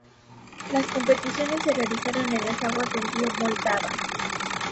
Las competiciones se realizaron en las aguas del río Moldava.